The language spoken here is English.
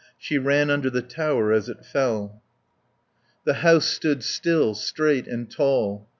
She ran under the tower as it fell. The house stood still, straight and tall.